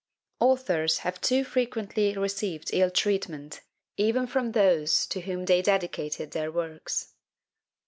Authors have too frequently received ill treatment even from those to whom they dedicated their works.